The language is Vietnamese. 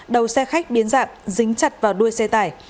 đầu xe khách biến dạng dính chặt vào đuôi xe tải